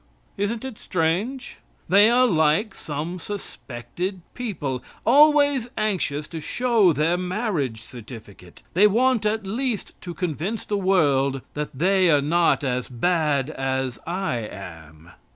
Isn't it strange? They are like some suspected people, always anxious to show their marriage certificate. They want at least to convince the world that they are not as bad as I am.